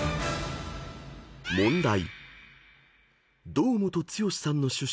［問題］